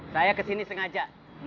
saya kesini sengaja